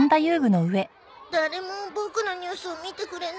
誰もボクのニュースを見てくれないや。